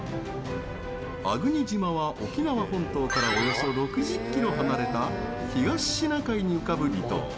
粟国島は、沖縄本島からおよそ６０Ｋｍ離れた東シナ海に浮かぶ離島。